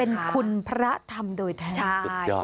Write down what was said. เป็นคุณพระทำโดยแท้